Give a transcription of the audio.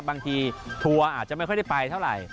ทัวร์อาจจะไม่ค่อยได้ไปเท่าไหร่